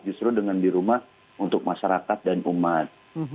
justru dengan di rumah untuk masyarakat dan umat